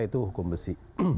itu hukum besi